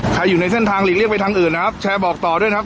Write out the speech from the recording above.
อยู่ในเส้นทางหลีกเลี่ยไปทางอื่นนะครับแชร์บอกต่อด้วยนะครับ